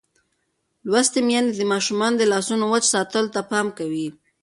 لوستې میندې د ماشومانو د لاسونو وچ ساتلو ته پام کوي.